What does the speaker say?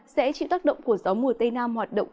sẽ chịu tác động của gió mùa tây nam hoạt động